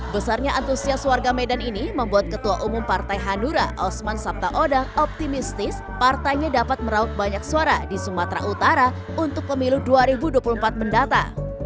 besarnya antusias warga medan ini membuat ketua umum partai hanura osman sabtaodang optimistis partainya dapat meraup banyak suara di sumatera utara untuk pemilu dua ribu dua puluh empat mendata